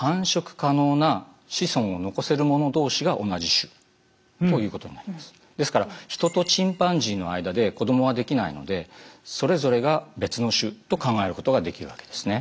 ひと言で種というとですねですからヒトとチンパンジーの間で子どもはできないのでそれぞれが別の種と考えることができるわけですね。